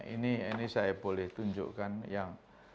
ini saya boleh tunjukkan yang